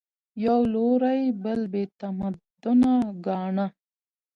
یوه لوري بل بې تمدنه ګاڼه